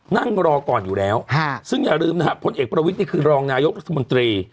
นั่งรอก่อนอยู่แล้วซึ่งอย่าลืมนะฮะผลเอกประวิทย์นี่คือรองนายกรัฐมนตรี